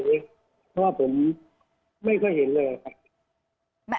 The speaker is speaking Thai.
เพราะว่าผมไม่เคยเห็นเลยครับ